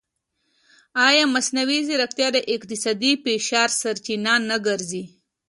ایا مصنوعي ځیرکتیا د اقتصادي فشار سرچینه نه ګرځي؟